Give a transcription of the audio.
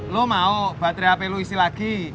lo mau baterai lo isi lagi